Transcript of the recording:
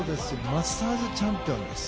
マスターズチャンピオンです。